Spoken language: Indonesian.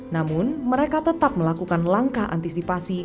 namun mereka tetap melakukan langkah antisipasi